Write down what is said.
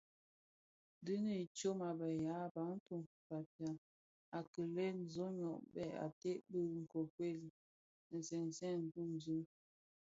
Diňi tsôg a be yaa Bantu (Bafia) a kilè zonoy bèè ated bi nkokuel nsènèn duňzi,